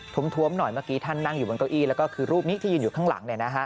ทุ่มทวมหน่อยเมื่อกี้ท่านนั่งอยู่บนตัวอี้แล้วก็คือรูปนี้ที่ยืนอยู่ข้างหลังเนี่ยนะฮะ